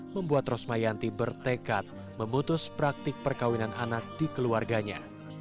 membuat rosmayanti bertekad memutus praktik perkawinan anak di keluarganya